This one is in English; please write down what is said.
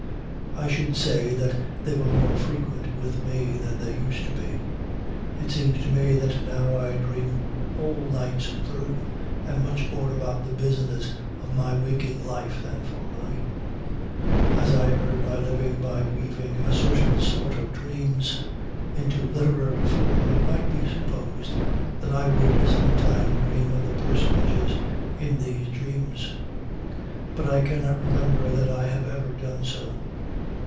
I should say that they were more frequent with me than they used to be; it seems to me that now I dream whole nights through, and much more about the business of my waking life than formerly. As I earn my living by weaving a certain sort of dreams into literary form, it might be supposed that I would some time dream of the personages in these dreams, but I cannot remember that I have ever done so.